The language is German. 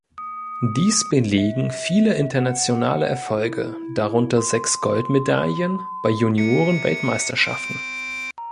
Dies belegen viele internationale Erfolge, darunter sechs Goldmedaillen bei Junioren-Weltmeisterschaften.